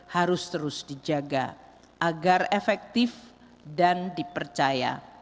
harus terus dijaga agar efektif dan dipercaya